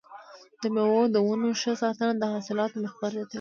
د مېوو د ونو ښه ساتنه د حاصلاتو مقدار زیاتوي.